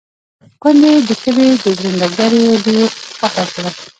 کونډې د کلي د ژرنده ګړي لور خوښه کړه.